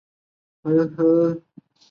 越南语语法为基于越南语之语法。